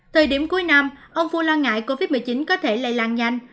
thời điểm cuối năm ông fu lo ngại covid một mươi chín có thể lây lan nhanh